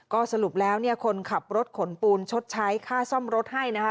ก็สรุปแล้วเนี่ยคนขับรถขนปูนชดใช้ค่าซ่อมรถให้นะคะ